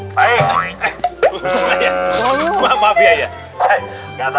bersama bapak bakia